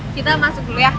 kita masuk dulu ya